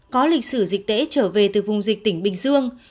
có lịch sử dịch tễ trở về từ vùng dịch tỉnh bình dương